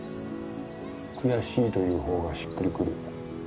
悔しいという方がしっくりくる